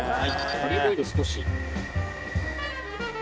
オリーブオイルを少し。